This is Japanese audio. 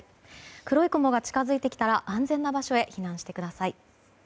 黒い雲が近づいてきたら安全な場所へ避難してください。